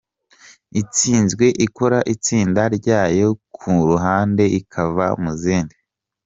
Itsinzwe ikora itsinda ryayo ku ruhande ikava mu zindi.